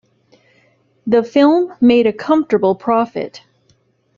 The film made a comfortable profit.